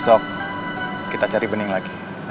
masih mau cari bening